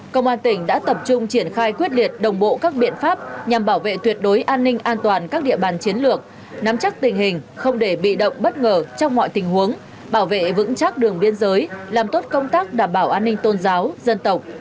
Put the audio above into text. công an tỉnh đã tập trung triển khai quyết liệt đồng bộ các biện pháp nhằm bảo vệ tuyệt đối an ninh an toàn các địa bàn chiến lược nắm chắc tình hình không để bị động bất ngờ trong mọi tình huống bảo vệ vững chắc đường biên giới làm tốt công tác đảm bảo an ninh tôn giáo dân tộc